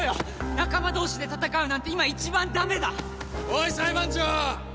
仲間同士で戦うなんて今一番ダメだ！おい裁判長！